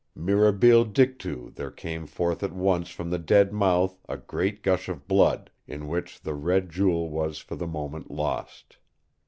Mirabile dictu there came forth at once from the dead mouth a great gush of blood, in which the red jewel was for the moment lost.